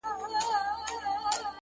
شــاعــر دمـيـني ومه درد تــه راغــلـم،